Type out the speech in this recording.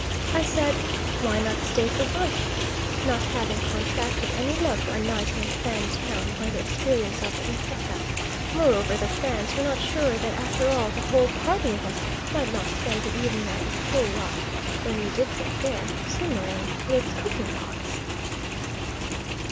I said, "Why not stay for bush?" not having contracted any love for a night in a Fan town by the experience of M'fetta; moreover the Fans were not sure that after all the whole party of us might not spend the evening at Efoua, when we did get there, simmering in its cooking pots.